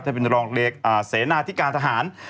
ได้เป็นรองเรียกเสนาทิการทหาร